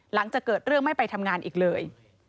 หลังจากเกิดเรื่องไม่ไปทำงานอีกเลย